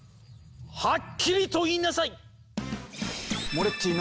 はっきりと言いなさい！